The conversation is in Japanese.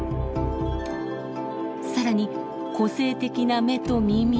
更に個性的な目と耳。